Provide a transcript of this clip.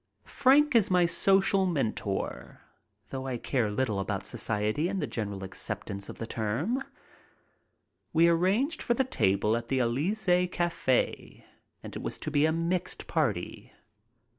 Frank is my social mentor, though I care little about society in the general acceptance of the term. We arranged for a table at the Elysee Cafe and it was to be a mixed party.